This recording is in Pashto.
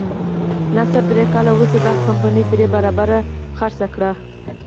نصر درې کاله وروسته دغه کمپنۍ درې برابره وپلورله.